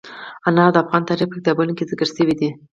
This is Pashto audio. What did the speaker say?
انار د افغان تاریخ په کتابونو کې ذکر شوی دي.